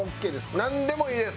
なんでもいいです。